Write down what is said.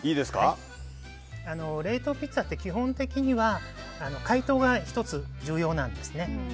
冷凍ピッツァって基本的には解凍が１つ重要なんですね。